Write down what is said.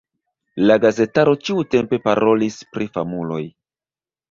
La gazetaro ĉiutempe parolis pri famuloj.